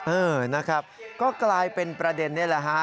เออนะครับก็กลายเป็นประเด็นนี่แหละฮะ